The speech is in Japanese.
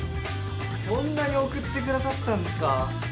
こんなに送って下さったんですか！？